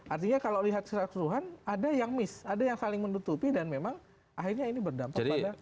artinya kalau lihat secara keseluruhan ada yang miss ada yang saling menutupi dan memang akhirnya ini berdampak pada